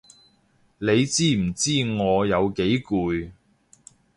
你知唔知我有幾攰？